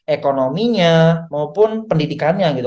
ekonominya maupun pendidikannya gitu